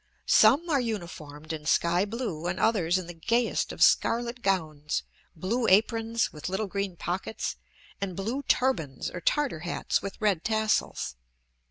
Some are uniformed in sky blue, and others in the gayest of scarlet gowns, blue aprons with little green pockets, and blue turbans or Tartar hats with red tassels.